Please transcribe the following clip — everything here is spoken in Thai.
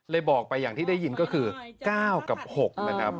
บอกไปอย่างที่ได้ยินก็คือ๙กับ๖นะครับ